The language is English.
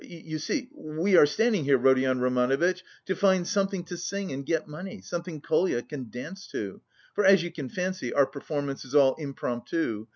you see, we are standing here, Rodion Romanovitch, to find something to sing and get money, something Kolya can dance to.... For, as you can fancy, our performance is all impromptu....